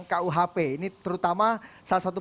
kuhp ini terutama salah satu